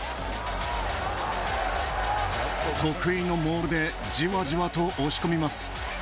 得意のモールでじわじわと押し込みます。